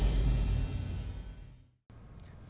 chủ tịch triều tiên kim jong un cũng sẽ không thử tên lửa thêm nữa